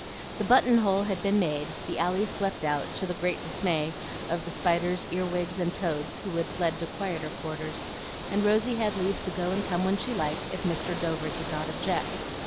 The "button hole" had been made, the alley swept out, to the great dismay of the spiders, earwigs, and toads, who had fled to quieter quarters, and Rosy had leave to go and come when she liked if Mr. Dover did not object.